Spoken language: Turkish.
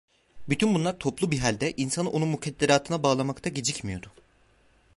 Bütün bunlar toplu bir halde, insanı onun mukadderatına bağlamakta gecikmiyordu.